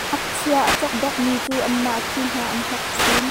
Ngakchia a cokdek mi cu anmah khi hna an hnok chin.